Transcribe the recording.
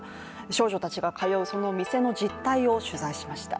少女たちが通うその店の実態を取材しました。